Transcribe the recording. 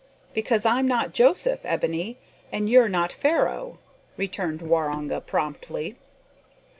"Because I's not Joseph, Ebony, an you're not Pharoah," returned Waroonga promptly.